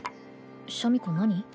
シャミ子何？